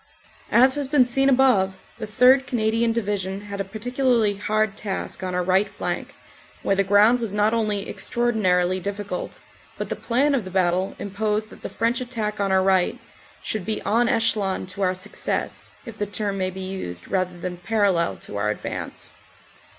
As has been seen above, the 3rd. Canadian Division had a particularly hard task on our right flank, where the ground was not only extraordinarily difficult, but the plan of the battle imposed that the French attack on our right should be en echelon to our success if the term may be used rather than parallel to our advance.